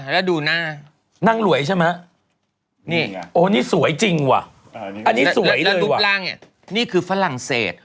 แล้วดูด้านล่างเนี่ยนี่คือฝรั่งเศส